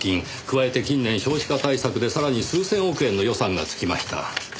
加えて近年少子化対策でさらに数千億円の予算がつきました。